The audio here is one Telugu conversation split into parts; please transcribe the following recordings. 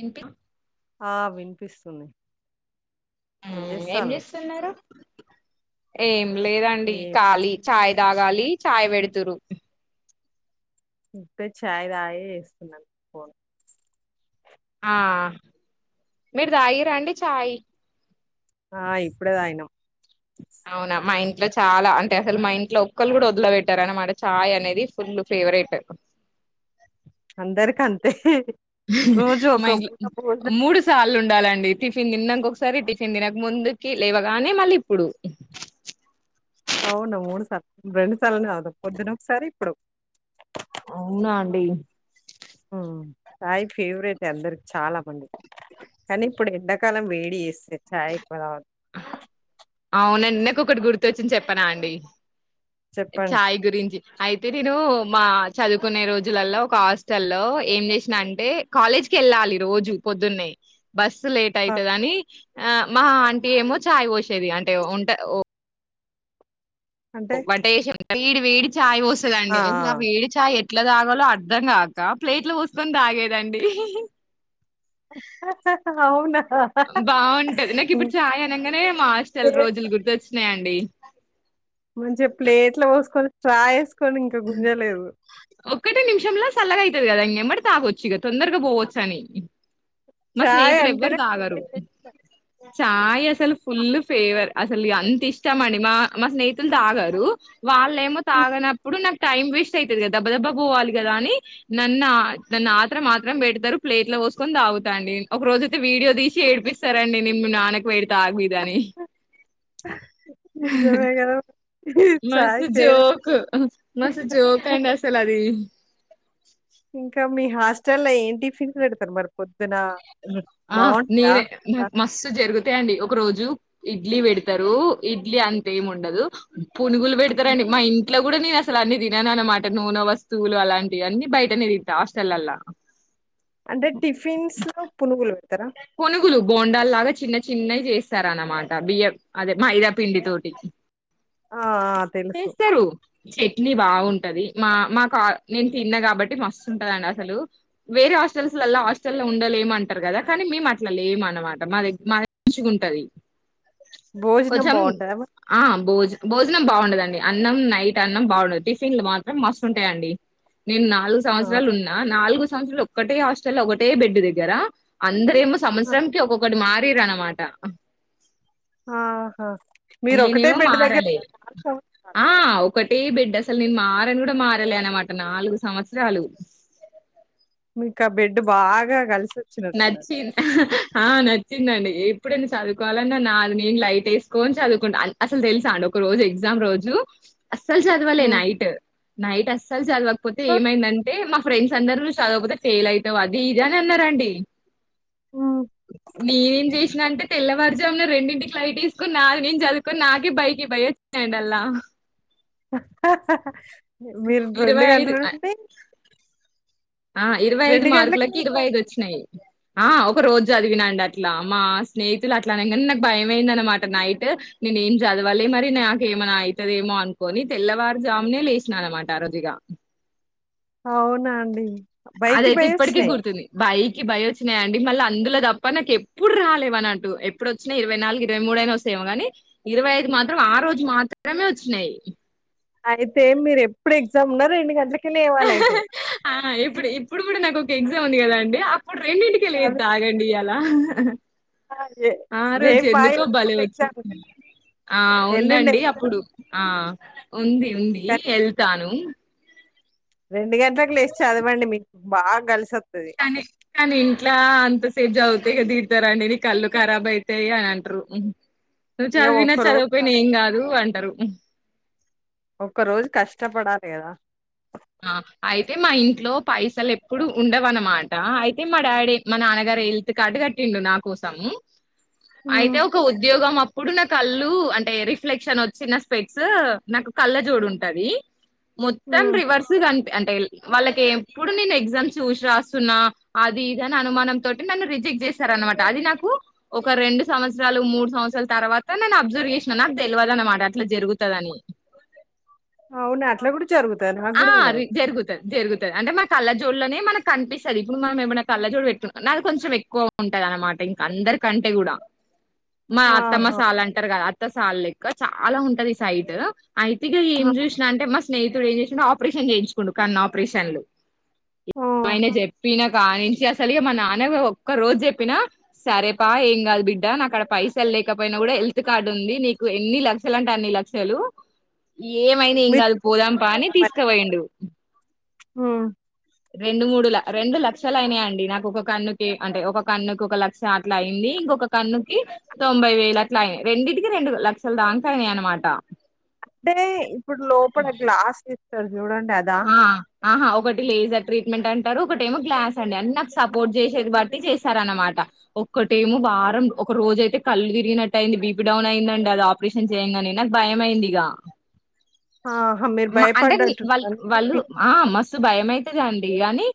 ఇన్పి ఆ వినిపిస్తుంది ఉమ్ ఏం చేస్తున్నారు ఏం లేదండి ఏ కాళీ చై తాగాలి చాయ్ పెడుతురు ఇపుడే ఛాయ్ తాగి చేస్తున్నాను ఫోన్ ఆ మీరు దాగిరాండి చై ఆ ఇప్పుడే తగినం అవునా మా ఇంట్లో చాలా అంటే అసలు మా ఇంట్లో ఒక్కళ కూడా వదిలి పెట్టారు అనమాట చాయ్ అనేది ఫు ఫుల్ ఫేవరెట్ అందరికి అంతే రోజు మా ఒక ఇంట్లో పూట భోజనం మూడు సార్లు ఉండాలండి టిఫిన్ తిన్నాక ఒకసారి టిఫిన్ తినక ముందుకి లేవగానే మళ్ళీ ఇప్పుడు రెండుసాలు తగ్గుతు పొద్దున ఒకసారి ఇప్పుడు అవునా అండి ఉమ్ చై ఫేవరెట్ అందరికి చాలా మంది కానీ ఇప్పుడ్ ఎండాకాలం వేడి చేస్తే చాయ్ ఎక్వ తగ అవ్నండి నాక్ ఒకట్ గుర్తోచ్చింది చెప్పనా అండి చెప్పండి చాయ్ గురించి ఐతే నేను మా చదువ్కునే రోజులలో ఒక హాస్టల్ల్లో ఏం జేస్నా అంటే కాలేజ్ జ్ కేళ్ళాలి రోజు పొద్దున్నే బస్సు లేట్ ఆ, ఐతదని ఆ మా ఆంటీ ఏమో చాయ్ వోసేది అంటే ఉంట ఓ అంటే వంట చెశె వేడి వేడి చాయ్ ఆ పోస్తుదండి అసల్ అ ఆ. వేడి చాయ్ ఎట్ ఎట్లా తాగాలో అర్ధం గాక ప్లేట్ల పోస్కొన్ తాగేదండి అ బా ఉంటది నాక్ ఇప్పుడ్ చాయ్ అనంగానే మా హాస్టల్ ప్లేట్ రోజుల్ గుర్తోచ్చినాయండి అడి మంచిగా ప్లేట్ లో పోస్కొని స్ట్ర ఎస్ ఒక్కటే నిమిషం సల్లగైతది గదాండి మర్ తాగొచ్చిగ తొందర్గా పోవచ్చని మా చాయ్ స్నేహితులేవ్వర్ అంటేనే తాగరు చాయ్ అసలు ఫులు ఫేవర్ అసలీగ అంత ఇష్టం అండి మా మా స్నేహితుల్ తాగారు వాళ్ళేమో ప్లేట్. తాగనప్ ప్పున్ నాక్ టైం వేస్ట్ ఐతదిగ దభ దభ పోవాలి గదని నన్ అ నన్ అత్రం అత్రం పెడ్తరు ప్లె ప్లెట్ల పోస్కన్ తాగుతాండి ఒక రోజు అయితే వీడియో తీసి ఏడ్పిస్తారండి నెన్ మి నాన్నక్ వేడ్త అగు ఇది దనీ నిజమే గదా! చాయ్ మస్తు ఫేవరెట్. జోకూ మస్త్ జోక్ అండి అస్సలుది హాస్టల ఏమ్ టిఫన్స్ పెడ్తార్ మర్ పొద్దు ఆ నేనే నాక్ మస్త్ జర్గు అంతే అండి ఒక్ రోజు ఇడ్లీ పెడ్తారు ఇడ్లీ అంతేముండదు పునుగుల్ హ్మ్. వేడ్తారండి మా ఇం ఇంట్లా గూడ నేన్ అసలు అన్ని తినననుమాట నూనె వస్తువులు అలాంటివి అన్ని బైటనే తింటా హాస్టలల్ల అంటే టిఫిన్స్ లో పునుగుల్ పేడ్ పునుగులు బొండలాగా చిన్న చిన్నవి చేస్తారన్నమాట బియ్యం అదే మైదాపిండి తోటి ఆ! ఆ! తెలుసు. చేస్తారు చె క్ని బాగుంటది మా మాక్ అ నేన్ తిన్నా కాబట్టి మస్స్తుంటదండసలు వేరే హాస్టల్స్ లల్లా హస్టల్లో ఉండాలేం మంటార్ గదా కానీ మేమ్ అట్లా లేమ్ అన్నమాట మా దెగ్ మా దె మంచిగుంటది భోజనం కొంచం బావుంటదా మరి? ఆ భోజ్ భోజనం బాగుండదండి అన్నం నైట్ అన్నం బాగుండద్ టిఫిన్లు మాత్రం మస్త్ ఉంటాయండి నేన్ నాల్గు ఆ! సంవత్సర్లున్న నాల్గు సంవత్సరాల్ ఒక్కటే హాస్టల ఒకటే బెడ్ దగ్గర అందరేమో ఆ! సంవత్సరంకి ఒక్కొక్కటి మారిర్ అనమాట ఆహా మీరొకటే నేనేమో బెడ్ దగ్గర మారలే సంవత్సరాలు. ఆ ఒకటే బెడ్ అ అసల్ నేన్ మారన్ గూడా మారాలే అనమాట నాల్గు సంవత్సరలు ఇంకా బెడ్ బాగా గల్స్ నచ్చిన్ ఆ నచ్ చిందండి ఎప్పుడైనా చదువుకోవాలన్నా నాది నేన్ లైట్ ఎస్కొన్ చదుకూంట అసల్ తెల్స అండి ఒక రోజ్ ఎగ్జామ్ మ్ రోజు అస్సల్ చద్వలే హ్మ్. నైట్ నైట్ అస్సల్ చదవక్పోతే ఇంకా? ఏమైందంటే మా హ ఫ్రెండ్స్ అందరూ చదక్వోతే ఫెయిల్ ఐతావ్ అది ఇది అన్ అన్నరండి హ్మ్. నేనేం చేస్తా అంటే తెల్లవార్జామున రెండింటికి లైట్ ఎస్కొన్ నాది నేన్ చదుకొన్ నాకే బైకి బై ఓచ్చాయండ్ అల్ల అహ మిర్ మీర్ రెండు ఇరవై ఐదు గంటలంటె ఆ ఇర్వై ఐదు మార్కులకి ఇర్వై లేస్తారు. ఐదోచ్చినాయ్ ఆ ఒక రోజ్ జదివినండి అట్లా మా స్నేహితులూ అట్లా అనంగన్ నాక్ భయమయింద్ అనమాట నైట్ ని నేం చద్వాలే మరి నాకేమనా ఐతదేమో అన్కోని తెల్లవారు జామునే లేస్నా అనమాట ఆ రోజు ఇగ అవునా అండి బైక్‌కి ఆదైతే ఇప్పటికీ పోయొచ్చినాయి. గుర్తుంది బాయ్ కి భయ్ వచ్చినా అండి మళ్ళీ అందులో తప్ప నాకు ఎప్పుడు రాలే వనట్టు ఎప్పుడు వొచ్చిన ఇరవై నాలుగు ఇరవై మూడు అయిన వస్తాయ్ గాని ఇరవై ఐదు మాత్రం ఆ రోజు మాత్రమే వచ్చినాయి అయితే మీరు ఎప్పుడు ఎగ్జామ్ ఉన్న రెండు గంట్ల క్ ఆ ఇప్పుడు ఇప్పుడు గుడా నాకు ఓక్ ఎగ్జామ్ ఉంది గదా అండి అప్పుడు రెండింటికి అదే లేత్త ఆగండి ఇయాల ఆ! ఎ ఆ రోజు రేపా ఎందుకో భలే ఎల్లుండి వొచ్చి ఎగ్జామ్ కదా! ఆ ఎల్లుండి ఉందండి ఎగ్జామ్ అప్పుడు ఆ ఉంది ఉంది కానీ ఏళ్తాను రెండు గంటలకు లేచి చదవండి మీకు బాగా కలిసి వొస్త కానీ కానీ ఇంట్లా అం అంతసేపు జదువుతే ఇగ దిడతారండి నీ కళ్ళు ఖరాబ్ అయితాయి అని అంటరు నువ్వు ఇగ చదివినా ఒక్కరోజు చదువకపోయినా కష్ ఏం గాదు అంటరు ఒక్క రోజు కష్టపడాలి కదా ఆ అయితే మా ఇంట్లో పైసలు ఎప్పుడు ఉండవ్ అనమాట అయితే మా డాడీ మా నాన్నగార్ రే హేల్త్ కార్డు కట్టిండు నా కోసం అయితే హ్మ్. ఒక ఉద్యోగం ఆ ఇప్పుడు నా కళ్ళు అంటే రిఫ్లెక్షన్ వొచ్చిన స్పెట్స్ నాకు కళ్ళ జోడు ఉంటది మొత్తం హ్మ్. రివర్స్ అంటే వాళ్లకి ఎప్పుడు నేను ఎగ్జామ్ చూసి రాస్తున్నా అది ఇది అని అనుమానం తోటి నన్ను రిజెక్ట్ చేసారనమాట అది నాకు ఒక రెండు సంవత్సరాలు మూడు సంవత్సరాల తర్వాత నను అబ్సర్వ్ చేసినా నా తెల్వదనమాట అట్లా జరుగుతది అని అవునా అట్లా గుడా జరుగుత్. ఆ రి జరుగుతది జరుగుతది అంటే మా కళ్ళజోడ్లనే మనక్ కనిపిస్తది ఇప్పుడు మనం ఎమన్నా కళ్ళజోడు పెట్టుకు నావి కొంచెం ఎక్కువ ఉంటాయి అనమాట ఇంకా అందర్ రిక్ కంటే గూడ మా అత్తమ్మ ఆహా! సాల్ అంటార్ గదా అత్త సాల్ లెక్క చాలా ఉంటది సైట్ అయితే ఇగ ఏం ఆ! చూష్ణ అంటే మా స్నేహితుడు ఏం చేషిండు ఆపరేషన్ చేయించుకుండు కన్ను ఆపరేషన్లు ఓహ్! ఆయన చెప్పిన కానించి అస్ సలుగా మా నాన్న గు ఒక్క రోజు చెప్పిన సరే పా ఎంగాదు బిడ్డ నాకడ పైసల్ లేకపోయినా గూడ హెల్త్ కార్డ్ ఉంది నీకు ఎన్ని లక్షలు అంటే అన్ని లక్షలు ఏమైనా మీరు ఎంగాదు పోదాం పా అని తీసుకపోయిండు మ్ రెండు మూడు ల రెండు లక్షలు అయినాయండి నాకు ఒక కన్నుకి అంటే ఒక కన్నుకి ఒక లక్ష అట్లా అయింది ఇంకొక కన్నుకి తొంభై వెల్ అట్లాయినాయి రెండిటికి రెండు లక్షలు దాంకయినాయి అనమాట అంటే ఇప్పుడ్ లోపల గ్లాస్ ఇస్తారు జూడండి అదా ఆ ఆహా ఒకటి లేజర్ ట్రీట్మెంట్ అంటారు ఒకటేమో గ్లాస్ అండి ఆన్ నాకు సపోర్ట్ చేసేది బట్టి చేస్తారనమాట ఒక్కటేమో ఆ! వారం ఒక రోజైతే కళ్ళు తిరిగినట్టు అయింది బీపీ డౌన్ అయిందండ అది అపరేషన్ చేయంగానే నాకు భయం అయింది ఇగ ఆహా! మీరు మ అంటే ని వాళ్ భయపడ్డట్టున్నారు. వాళ్ళు అందుకే ఆ మస్తు భయమాయితది అండి అని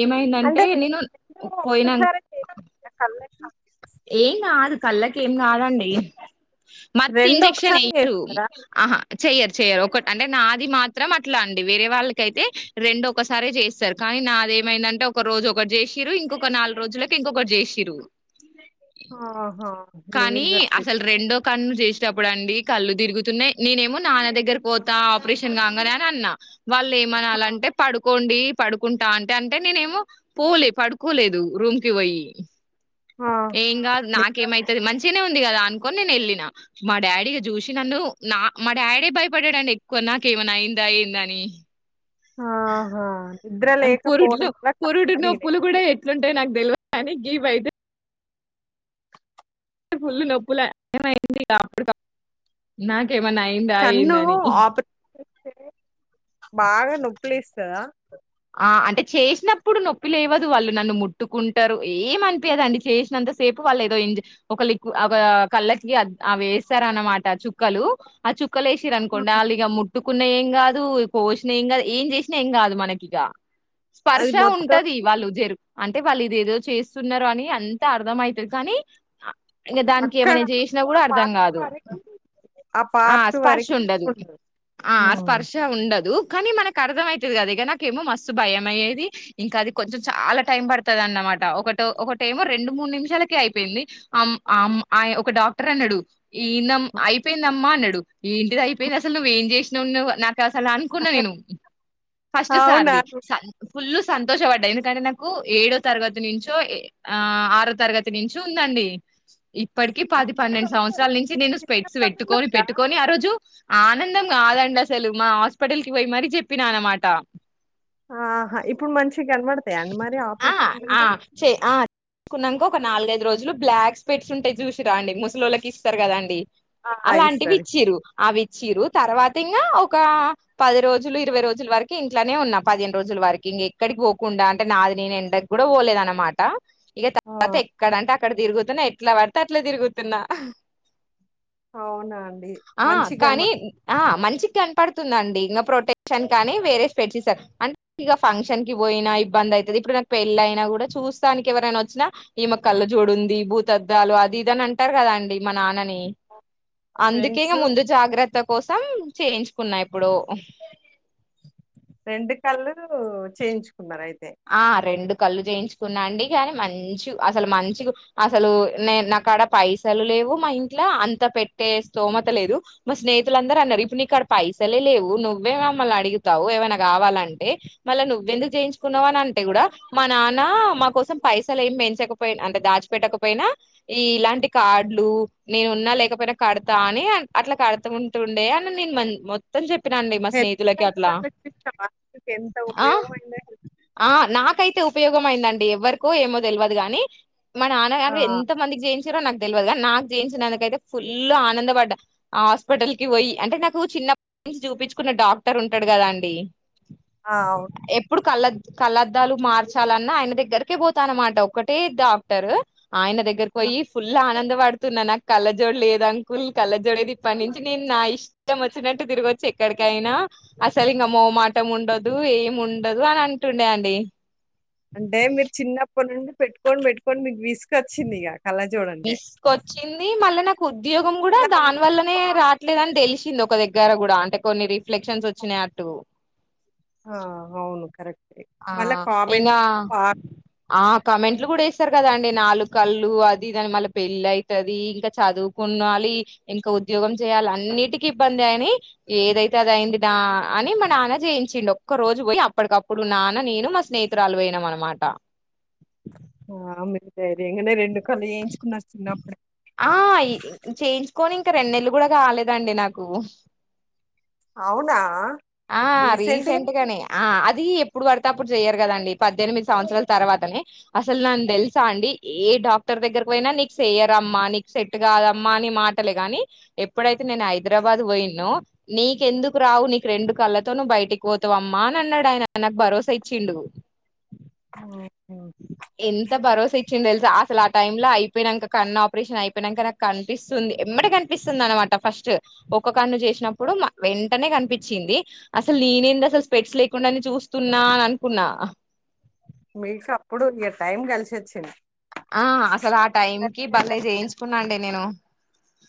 ఏమైందంటే అంటే నేను రెండు పోయినాను ఒక్కసారే చేస్తారా కళ్ళకి ఎం గాదు కళ్ళకి ఏం గాదండి మత్త్ రెండు ఇంజెక్షన్ ఒకసారి ఎయ్యరు చేస్తారా ఆహా చెయ్యరు చెయ్యరు ఒక నాది మాత్రం అట్లా అండి వారేవాళ్లకి అయితే రెండు ఒక్కసారేయ్ జెస్తారు నాదేం ఏమైంది అంతే నాలోరోజులకి ఒక్కటి చేసిండ్రు ఇంకో నాలురోజులకి ఇంకోటి చేసిండ్రు ఆహా హ లే జేసినపుడు అండి కళ్ళు తిరుగునాయి నేను ఏమో నాన్న దగ్గర కీ పోత ఆపరేషన్ కంగానే వాళ్ళు ట్రీట్మెంట్ ఏమనాలంటే పడుకోండి పడుకుంటా అంటే అంటే నేనేమో పోలే పడుకోలేదు రూమ్ కి పోయి ఆ ఏం కాదు నిద్ర నాకేమైతది మంచి చిగనే ఉంది కదా అనుకొని నేను వెళ్ళిన మా డాడీగ చూసి నన్ను నా మా డాడీ భయపడాడండి ఎక్కువ నాకమన్నా అయింద ఏందని ఆహా నిద్ర లేకపోవడం పురుడులు వల్ల కళ్ళు పురుడు తిరిగినయి నొప్పులు కూడా ఎట్లుంటాయో నాకు తెలువదు కాని గీ వైతె పుల్లు నొప్పుల భయమైంది అప్పుటికప్పుడు ఎమన్నా అయిందా కన్ను ఏందని ఆపరేషన్ బాగా నొప్లేస్తదా ఆ అంటే చేసినప్పుడు నొప్పి లేవదు వాళ్ళు నన్ను ముట్టుకుంటారు ఏమనిపియదండి చేసినంత సే వాళ్ళు ఏదో ఇం ఒక లిక్వి కళ్ళకి అవేస్తారన్నమాట చుక్కలు ఆ చు క్కలేసిరనుకోండి వాళ్ళు ఇగ ముట్టుకున్న ఏం కాదు కోసిన ఏం కాదు ఏం చేసినా ఏం కాదు మనకి ఇగా స్పర్శ అది మొత్తం ఉంటది వాళ్ళు జరుగు అంటే వాళ్ళు ఇదేదో చేస్తున్నరు అని అంత అర్థం అయితది కానీ ఇంకా దానికి అక్కడ ఏమైనా చేసినా ఆ కూడా అర్ధం పార్ట్ కాదు వరకి ఆ పార్ట్ స్పర్శ వరకి ఉండదు నొప్పుండదు ఆ స్పర్శ ఉండదు కానీ మనకు అర్థమయితది కదిగ ఏమో మస్తు భయం అయ్యేది ఇంకా అది కొంచెం చాలా టైం పడతది అన్నమాట ఒకట ఒకటేమో రెండు మూడు మూడు నిమిషాలకే అయిపోయింది అం అం ఇ ఒక డాక్టర్ అన్నాడు ఈందమ అయిపోయిందమ్మా అన్నాడు ఏంటిది అయిపోయే ది అసలు నువ్వేం చేసినవు నా అసలు అనుకున్న నేను ఫస్ట్ అవునా సార్ది ఫుల్లు సంతోషపడ్డ ఎందుకంటే నాకు ఏడో తరగతి నుంచో ఎ ఆ ఆరో తరగతి నుంచి ఉంద ఇప్పటికి పది అంత పన్నెండు తొందర సంవత్సరాల నుంచి నేను స్పెట్స్ చిన్నప్పటి నుండి పెట్టుకొని ఉందా పెట్టుకొని ఆ రోజు ఆనందం కాదండి అసలు మా హాస్పిటల్ కి పోయి మరీ చెప్పినా అనమాట ఆహ ఇప్పుడు మంచి కనపడతాయండి మరి ఆ ఆపరషన్ అయ్యినంక ఆ చే ఆ కున్నాంక ఒక నాలుగైదు రోజులు బ్లాక్ స్పెట్సుంటాయి చూసిరా అండి ముసలోళ్ళకి ఇస్తారు కదా అండి ఆ! అలాంటివి ఇస్తారు. ఇచ్చిరు అవి చీరు తర్వాత ఇంగా ఒక పది రోజులు ఇరవై రోజుల వరకు ఇంట్లనే ఉన్నా పదిహేను రోజుల వరకి ఇంగ ఎక్కడికి పో కుండా అంటే నాది నేను ఎండ కూడా పోలేదనమాట ఇక తర్వాత ఆ! ఎక్కడంటే అక్కడ తిరుగు కుంటానే ఎట్లా పడితే అట్లా తిరుగుతున్నా అవునా అండి. ఆ మంచిగ కానీ అనమాట ఆ మంచి కని పడుతుందండి ఇంకా ప్రొటెక్షన్ కానీ వేరే స్పెట్స్ ఇస్తారు అంటే ఇక ఫంక్షన్కి కూడ పోయినా ఇబ్బంది అయితది ఇప్పుడు నాకు పెళ్లయినా కూడా చూస్తానికి ఎవరై వచ్చినా ఈమెకి కళ్ళజోడుంది భూత లు అది ఇదని అంటారు కదా అండి మా నాన్నని అందుకే ఇంగ ఫ్రెండ్స్ ముందు జాగ్రత్త కోసం చేయించుకున్న ఇప్పుడు రెండు కళ్లు చేయించు ఆ రెండు కళ్ళు చేయించుకున్న న్నాండి కాని మంచి అసలు మంచి అసలు నే నాకు కాడ పైసలు లేవు మా ఇంట్లో అంత పెట్టే స్తోమత లేదు మా స్నేహితులు అందరన్నరు ఇప్పుడు నీకడ పైసలే లేవు నువ్వేమ మళ్ళ అడుగుతావు ఏమైనా కావాలంటే మళ్ళా నువ్వెందుకు చేయించు కున్నవనంటే కూడా మా నాన్న మా కోసం పైసలు ఏమి పెంచకపోయి అంటే దాచిపెట్టకపోయినా ఈ ఇలాంటి కాడ్లు నేను ఉన్నా లేకపోయినా కడతా అని అట్లా కడుతుంటుండే అని నే మొత్తం చెప్పినండి మా హెల్త్ స్నేహితులకి కార్డ్ అట్లా వాళ్ళకి చాలా మీకెంత ఆ ఉపయోగమైందో హెల్త్ ఆ కార్డ్. నాకైతే ఉపయోగం అయిందండి ఎవ్వరికో ఏమో తెలువదు గాని మా ఆ! నాన్నగారు ఎంత మందికి చేయించి నాకు తెలువదుగాని నాకు చేయించినందుకయితే ఫుల్ ఆనంద పడ్డ ఆ హాస్పిటల్ కి పోయి అంటే నాకు చి న్నప్పటి నుంచి చూపించుకున్న డాక్టర్ ఉంటడు కదా అండి ఆ వు కళ్ల కళ్లద్దాలు మార్చాలన్న ఆయన దగ్గరకే పోతాన్నమాట ఒకటే డాక్టరు ఆయన దగ్గరకి ఆ! పోయి ఫుల్ ఆనంద్ దవడ్తున్న నాక్ కళ్ళ జోడ్ లేద్ అంకుల్ కళ్ళ జోడేది ఇప్పడ్ నుంచి నేన్ నా ఇష్టం ఒచ్చినట్టు తిరగొచ్చు ఎక్కడ్కైనా అసల్ ఇంక మోమాటం ఉండద్దు ఏమ్ ఉండదు అని అన్ టుండే అండి పెట్కోని పెట్కొని మీక్ విసుగోచ్చింది ఇగ విస్క్ ఒచ్చింది మళ్ళ నాక్ ఉద్యోగం గుడా అలా దాన్ అందరూ వల్లనే పా రాట్లేదని తెలిష్ కింద ఒక దగ్గర గూడ అంటే కొన్ని రిఫ్లెక్షన్స్ ఒచ్చినయ్ అటు ఆ ఔను కరెక్ట్ ఆ ఇంగా ఆ కమెంట్లు గుడ ఏస్ స్తర్ కదా అండి నాలు కళ్ళు అది ఇది అని మళ్ళ పెళ్ళైతది ఇంకా చదువుకున్నాలి ఇంకా ఉ ఉద్యోగం చేయాల్ అన్నిటికి ఇబ్బందె అని ఏదైతే అది అయిందిడా అని మా నాన్న జేయించిండు ఒ ఓక్క రోజు పోయ్ అప్పడ్కప్పుడు నాన్న నేను మా స్నేహితురాలు పోయినాం అనమాట ఆ మీరు ధైర్యంగానే రెండు కళ్ళు చేయించుకున్న చిన్నప్పుడు ఆ ఈ ఇ చేయించుకొని ఇంక రెండు్నేల్లు గుడ కాలేదండి నాకు అవునా ఆ రీసెంట్ రీసెంట్‌గానే? గనే ఆ అది ఎప్ ఎప్పుడు వడ్తే అప్పుడ్ చెయ్యర్ కదండి పద్దెన్మిది సంవత్సరాల్ తర్వాతనే అసల్ నాన్ తెల్సా అండి ఏ డాక్టర్ ఎవరి దగ్గర్కు పోయిన నీక్ సేయరమ్మా నీక్ సెట్ట్ కాదమ్మా అని మాటలే గానీ ఎప్పుడైతే నేను హైదరాబాద్ పోయిన్నో నీకేందుకు రావు నీక్ రెండు కళ్ళతో నువ్ బయటిక్ పోతవఅమ్మా అని అన్నాడ్ ఆయన నాకు భరోసా ఇచ్చిండు అవ్వు ఎంత భరోసా ఇ చ్చిండ్ తెల్సా అసల్ ఆ టైంల అయ్పోయ్నంక కన్నాపరేషన్ అయ్పోయ్నంక నాకన్పిస్తుంది ఎమ్మటె కన్పిస్తుంది అనమా ట ఫస్టు ఒక్క కన్ను చేష్నప్పుడు మ వెంటనె కన్పించింది అసల్ నేనెంద్ అసలు స్పెట్స్ లే కుండానే చూస్తున్నా అని అన్కున్నా హ్ మీక్ అప్పుడు ఇగ టైం గలిసొచ్చింది ఆ అసల్ ఆ టైం కి బలె చేయించుకున్న అండి నేను